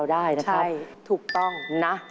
ไม่ต้องนั้น